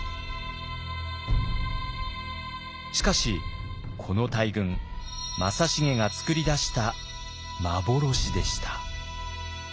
しかしこの大軍正成が作り出した幻でした。